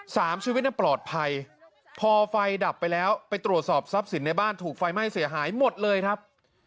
สามชีวิตนั้นปลอดภัยพอไฟดับไปแล้วไปตรวจสอบทรัพย์สินในบ้านถูกไฟไหม้เสียหายหมดเลยครับ